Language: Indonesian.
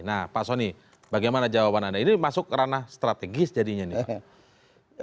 nah pak soni bagaimana jawaban anda ini masuk ranah strategis jadinya nih pak